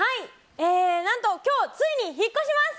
何と今日ついに引っ越します！